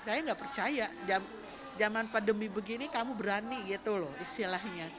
saya nggak percaya zaman pandemi begini kamu berani gitu loh istilahnya